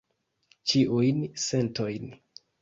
Ĉiujn sentojn.